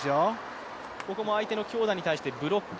ここも相手の強打に対してブロック。